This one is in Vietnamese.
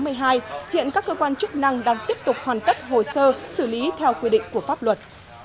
hiện các cơ quan chức năng đang tiếp tục hoàn tất hồ sơ xử lý theo quy định của pháp luật